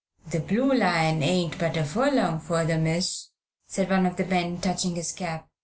"The 'Blue Lion' ain't but a furlong further, miss," said one of the men, touching his cap.